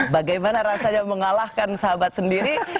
bagaimana rasanya mengalahkan sahabat sendiri